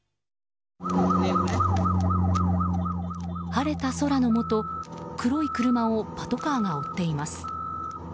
晴れた空のもと、黒い車をパトカーが追っています。